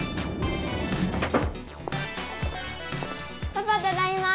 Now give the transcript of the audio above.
パパただいま！